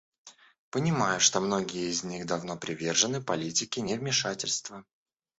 Понимаю, что многие из них давно привержены политике невмешательства.